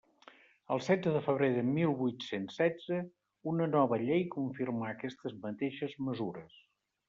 El setze de febrer de mil vuit-cents setze, una nova llei confirmà aquestes mateixes mesures.